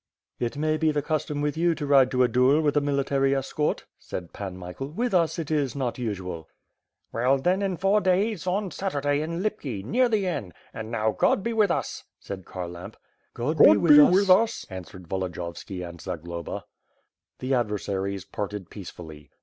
"It may be the custom with you to ride to a duel with a military escort," said Pan Michael. "With us it is not usual." "Well, then, in four days, on Saturday in Lipki, near the inn. And now, Grod be with us!" said Hiarlamp. "God be with us," answered Volodiyovski and Zagloba. The adversaries parted peacefully.